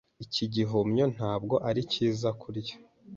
Iki gihumyo ntabwo ari cyiza kurya.